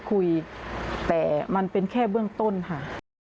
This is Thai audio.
คุยแต่มันเป็นแค่เบื้องต้นค่ะ